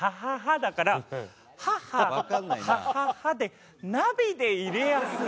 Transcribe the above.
だから「ははははは」でナビで入れやすい。